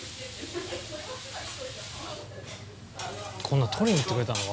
こんな撮りに行ってくれたの？